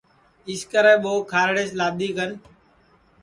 اِسکرے ٻو کھارڑیس لادؔی کن